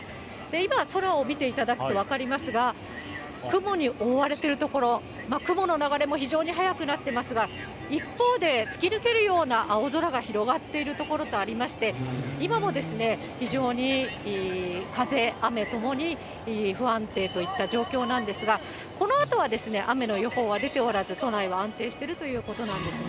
今空を見ていただくと分かりますが、雲に覆われている所、雲の流れも非常に速くなっていますが、一方で、突き抜けるような青空が広がっている所とありまして、今もですね、非常に風、雨ともに、不安定といった状況なんですが、このあとは雨の予報は出ておらず、都内は安定しているということなんですね。